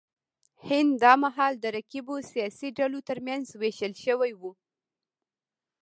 هند دا مهال د رقیبو سیاسي ډلو ترمنځ وېشل شوی و.